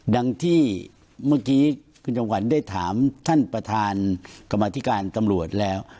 ดังที่เมื่อกี้คุณจำขวัญได้ถามท่านประธานกรรมธิการตำรวจแล้ว